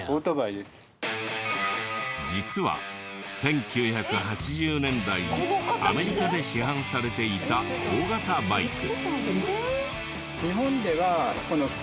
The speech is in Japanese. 実は１９８０年代にアメリカで市販されていた大型バイク。